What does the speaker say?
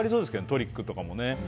トリックとか。